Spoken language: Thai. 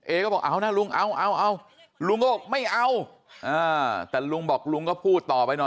บอกเอานะลุงเอาเอาลุงก็บอกไม่เอาแต่ลุงบอกลุงก็พูดต่อไปหน่อย